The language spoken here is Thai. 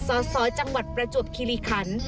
สสจังหวัดประจวบคิริคัน